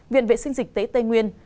viện vệ sinh dịch tế tây nguyên